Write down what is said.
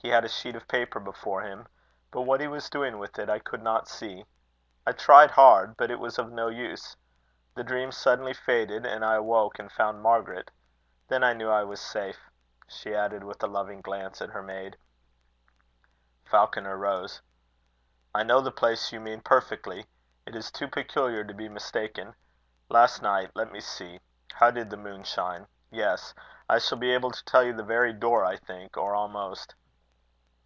He had a sheet of paper before him; but what he was doing with it, I could not see. I tried hard; but it was of no use. The dream suddenly faded, and I awoke, and found Margaret. Then I knew I was safe," she added, with a loving glance at her maid. Falconer rose. "I know the place you mean perfectly," he said. "It is too peculiar to be mistaken. Last night, let me see, how did the moon shine? Yes. I shall be able to tell the very door, I think, or almost."